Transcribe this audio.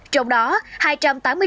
trong đó hai trăm tám mươi năm người